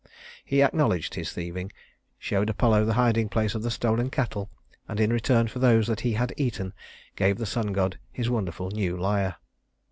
He acknowledged his thieving, showed Apollo the hiding place of the stolen cattle, and in return for those that he had eaten gave the sun god his wonderful new lyre.